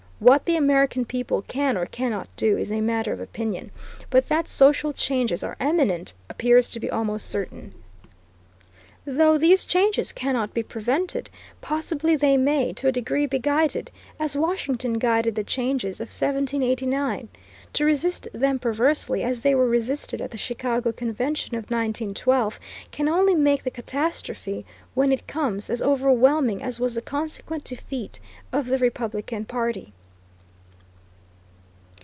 What the American people can or cannot do is a matter of opinion, but that social changes are imminent appears to be almost certain. Though these changes cannot be prevented, possibly they may, to a degree, be guided, as Washington guided the changes of 1789. To resist them perversely, as they were resisted at the Chicago Convention of 1912, can only make the catastrophe, when it comes, as overwhelming as was the consequent defeat of the Republican party.